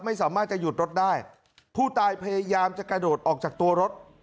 ไม่สามารถจะหยุดรถได้ผู้ตายพยายามจะกระโดดออกจากตัวรถ